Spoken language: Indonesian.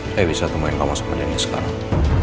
saya bisa temui kamu sama deniz sekarang